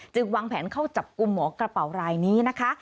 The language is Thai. วางแผนเข้าจับกลุ่มหมอกระเป๋ารายนี้นะคะ